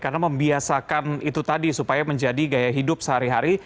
karena membiasakan itu tadi supaya menjadi gaya hidup sehari hari